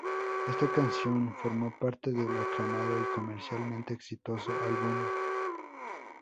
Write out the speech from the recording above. Esta canción formó parte del aclamado y comercialmente exitoso álbum Sgt.